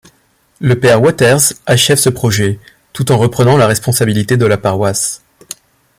Le père Wauters achève ce projet, tout en reprenant la responsabilité de la paroisse.